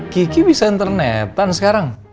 kiki bisa internetan sekarang